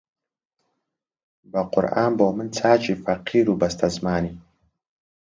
بە قورئان بۆ من چاکی فەقیر و بەستەزمانی